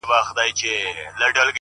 په ما لمـــدې زلفې دې څــــــنړ واهلې